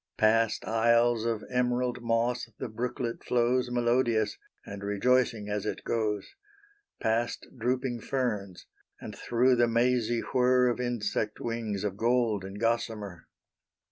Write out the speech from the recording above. Past isles of emerald moss the brooklet flows Melodious, and rejoicing as it goes; Past drooping ferns, and through the mazy whir Of insect wings of gold and gossamer.